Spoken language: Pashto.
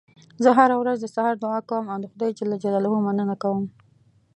زه هره ورځ د سهار دعا کوم او د خدای ج مننه کوم